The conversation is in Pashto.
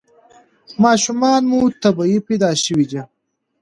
ماشومان مو طبیعي پیدا شوي دي؟